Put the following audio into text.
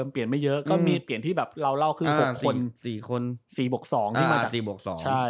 เปลี่ยนไม่เยอะก็มีเปลี่ยนที่แบบเราเล่าคือ๖คน๔คน๔บวก๒ที่มาจาก๔บวก๒